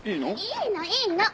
いいのいいの！